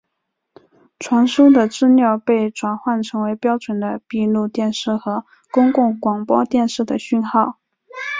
传输的资料被转换成标准的闭路电视和公共广播电视的讯号。